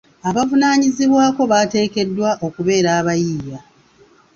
Abavunaanyizibwako bateekeddwa okubeera abayiiya.